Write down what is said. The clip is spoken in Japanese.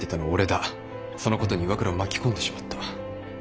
そのことに岩倉を巻き込んでしまった。